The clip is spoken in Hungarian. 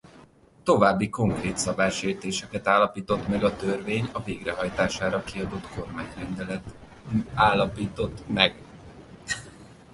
További konkrét szabálysértéseket állapított meg a törvény a végrehajtására kiadott kormányrendelet állapított meg.